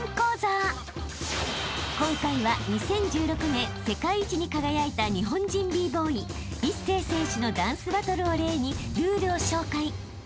［今回は２０１６年世界一に輝いた日本人Ｂ−ＢｏｙＩＳＳＥＩ選手のダンスバトルを例にルールを紹介］